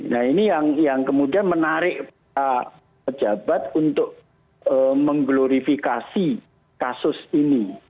nah ini yang kemudian menarik pejabat untuk mengglorifikasi kasus ini